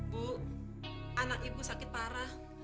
bu anak ibu sakit parah